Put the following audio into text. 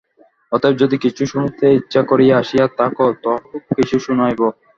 অতএব যদি কিছু শুনিতে ইচ্ছা করিয়া আসিয়া থাক তো কিছু শুনাইব।